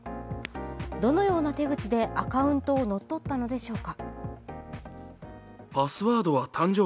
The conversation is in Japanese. どのような手口でアカウントを乗っ取ったのでしょうか。